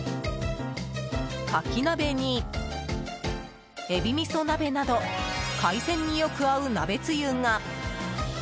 カキ鍋に、えび味噌鍋など海鮮によく合う鍋つゆが。